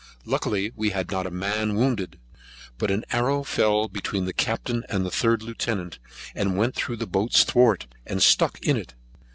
Luckily we had not a man wounded; but an arrow fell between the Captain and Third Lieutenant, and went through the boats thwart, and stuck in it.